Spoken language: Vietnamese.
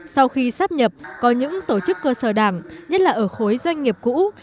sau khi sắp nhập có những tổ chức cơ sở đảng nhất là ở khối doanh nghiệp cũ